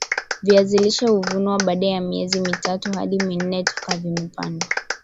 viazi lishe huvunwa baada ya miezi mitatu hadi minne toka vimepandwa